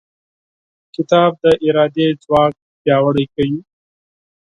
کتاب د ارادې ځواک پیاوړی کوي.